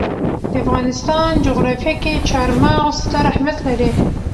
د افغانستان جغرافیه کې چار مغز ستر اهمیت لري.